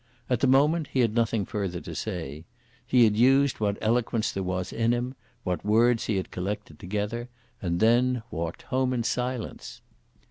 At the moment he had nothing further to say. He had used what eloquence there was in him, what words he had collected together, and then walked home in silence.